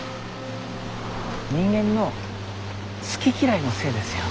人間の好き嫌いのせいですよ。